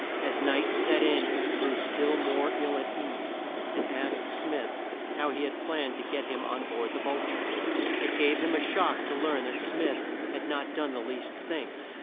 As night set in he grew still more ill at ease, and asked Smith how he had planned to get him on board the Vul ture. It gave him a shock to learn that Smith had not done the least thing.